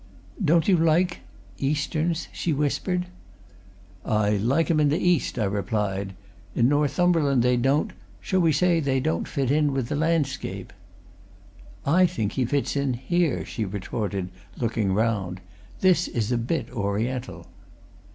"Don't you like Easterns?" she whispered. "I like 'em in the East," I replied. "In Northumberland they don't shall we say they don't fit in with the landscape." "I think he fits in here," she retorted, looking round. "This is a bit Oriental."